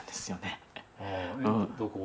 どこ？